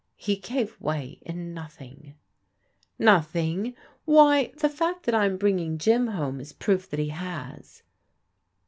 " He gave way in nothing." " Nothing ? Why, the fact that I'm bringing Jim home is proof that he has."